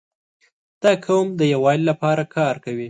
• دا قوم د یووالي لپاره کار کوي.